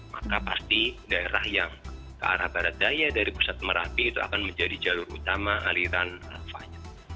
maka pasti daerah yang ke arah barat daya dari pusat merapi itu akan menjadi jalur utama aliran lavanya